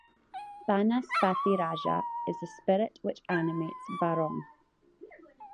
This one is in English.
Banas Pati Raja is the spirit which animates Barong.